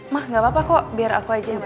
mah gak apa apa kok biar aku aja yang